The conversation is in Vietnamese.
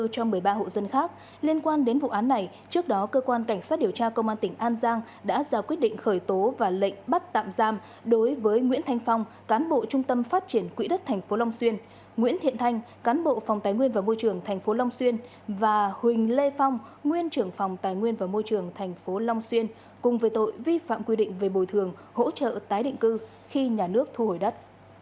trong quan đến vụ án này trước đó cơ quan cảnh sát điều tra công an tỉnh an giang đã ra quyết định khởi tố và lệnh bắt tạm giam đối với nguyễn thanh phong cán bộ trung tâm phát triển quỹ đất tp long xuyên nguyễn thiện thanh cán bộ phòng tài nguyên và môi trường tp long xuyên và huỳnh lê phong nguyên trưởng phòng tài nguyên và môi trường tp long xuyên cùng với tội vi phạm quy định về bồi thường hỗ trợ tái định cư khi nhà nước thu hồi đất